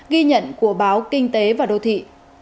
ghi nhận của báo kinh tế và đô thị